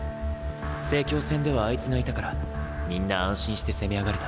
成京戦ではあいつがいたからみんな安心して攻め上がれた。